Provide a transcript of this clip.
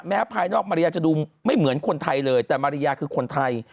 ภายนอกมารยาจะดูไม่เหมือนคนไทยเลยแต่มาริยาคือคนไทย